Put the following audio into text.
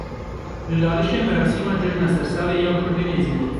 Li Lalişê merasîma cejna sersalê ya Kurdên Êzidî.